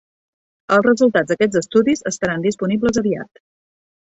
Els resultats d'aquests estudis estaran disponibles aviat.